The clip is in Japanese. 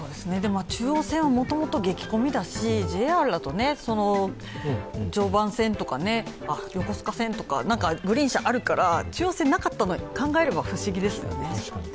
中央線はもともと激混みだし、ＪＲだと常磐線とか横須賀線とかグリーン車あるから中央線、なかったのは考えれば不思議ですよね。